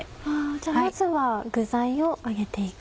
じゃあまずは具材を上げて行く。